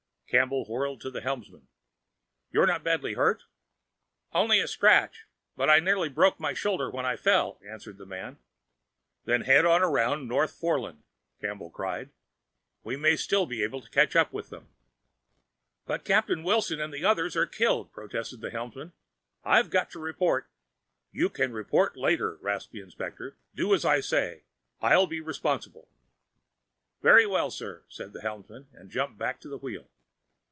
Campbell whirled to the helmsman. "You're not badly hurt?" "Only a scratch, but I nearly broke my shoulder when I fell," answered the man. "Then head on around North Foreland!" Campbell cried. "We may still be able to catch up to them." "But Captain Wilson and the others are killed," protested the helmsman. "I've got to report " "You can report later," rasped the inspector. "Do as I say I'll be responsible." "Very well, sir," said the helmsman, and jumped back to the wheel.